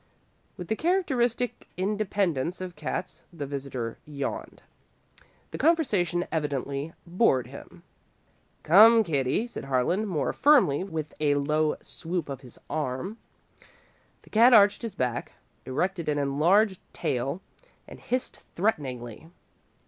With the characteristic independence of cats, the visitor yawned. The conversation evidently bored him. "Come, kitty," said Harlan, more firmly, with a low swoop of his arm. The cat arched his back, erected an enlarged tail, and hissed threateningly.